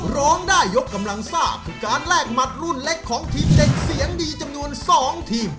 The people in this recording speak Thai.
ร้องได้ยกกำลังซ่าคือการแลกหมัดรุ่นเล็กของทีมเด็กเสียงดีจำนวน๒ทีม